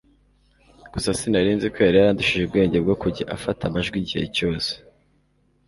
gusa sinarinzi ko yari yarandushije ubwenge bwo kujya afata amajwi igihe cyose